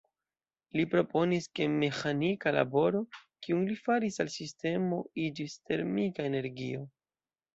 Li proponis ke meĥanika laboro, kiun li faris al sistemo, iĝis "termika energio".